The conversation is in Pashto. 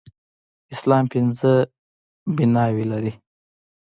اسلام پينځه بلاوي لري.